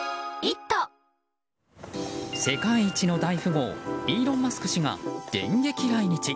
世界一の大富豪イーロン・マスク氏が電撃来日。